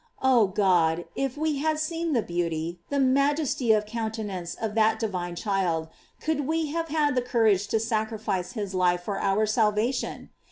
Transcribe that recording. Oh God ! if we had seen the beauty, the majesty of countenance of that divine child, could we have had the courage to sacrifice his life for our salvation